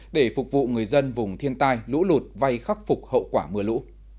để phục vụ người dân vùng thiên tai lũ lụt vay khắc phục hậu quả mưa lũ